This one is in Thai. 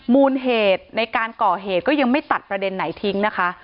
มูลเหตุในการก่อเหตุก็ยังไม่ตัดประเด็นไหนทิ้งนะคะ